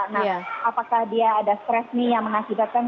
nah apakah dia ada stres nih yang mengakibatkan